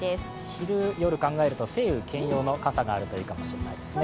昼、夜考えると晴雨兼用の傘があるといいかもしれませんね。